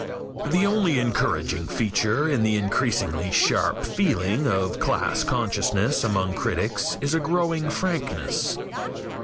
The only encouraging feature in the increasingly sharp feeling of class consciousness among critics is a growing frankness.